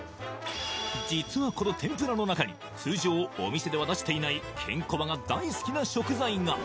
実はこの天ぷらの中に通常お店では出していないケンコバが大好きな食材が！